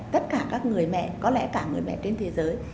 tất cả các người mẹ có lẽ cả người mẹ trên thế giới